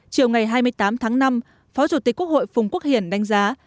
chiều ngày hai mươi tám tháng năm phó chủ tịch quốc hội phùng quốc hiển đánh giá